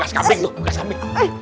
pasok beruang lagi